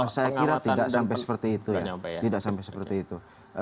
saya kira tidak sampai seperti itu